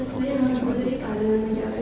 saya harus menerima dengan menjaga